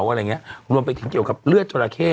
อะไรอย่างเงี้ยรวมไปถึงเกี่ยวกับเลือดจราเข้